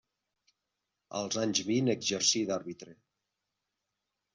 Als anys vint exercí d'àrbitre.